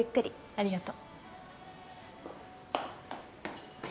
ありがとう。